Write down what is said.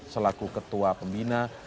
selaku ketua pembina